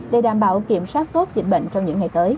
để đảm bảo kiểm soát tốt dịch bệnh trong những ngày tới